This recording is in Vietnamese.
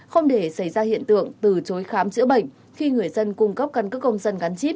không để xảy ra hiện tượng từ chối khám chữa bệnh khi người dân cung cấp căn cứ công dân gắn chip